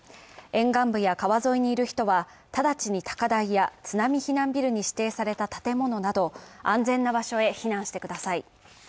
沿岸部や川沿いにいる人は直ちに高台や津波避難ビルに指定された建物など安全な場所へ避難してください。